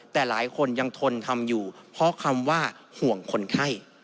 แต่หลายคนยังทนทำอยู่เพราะคำว่าห่วงคนไข้